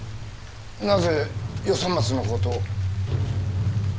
なぜ与三松の事を？